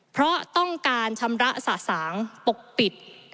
เพราะต้องการชำระสะสางปกปิด